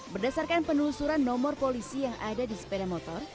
berdasarkan penelusuran nomor polisi yang ada di sepeda motor